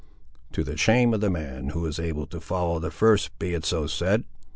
"To the shame of the man who is able to follow the first be it so said!"